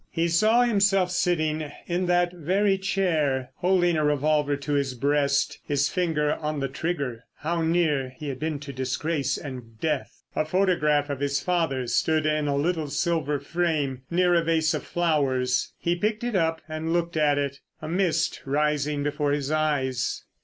He saw himself sitting in that very chair holding a revolver to his breast, his finger on the trigger. How near he had been to disgrace and death! A photograph of his father stood in a little silver frame near a vase of flowers. He picked it up and looked at it, a mist rising before his eyes.